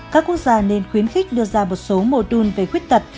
các quốc gia nên khuyến khích đưa ra một số mô đun về khuyết tật